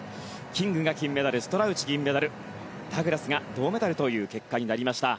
キングが金メダルストラウチ銀メダルダグラスが銅メダルという結果になりました。